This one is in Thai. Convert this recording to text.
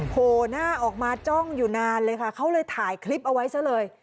โผล่หน้าออกมาจ้องอยู่นานเลยค่ะเขาเลยถ่ายคลิปเอาไว้ซะเลย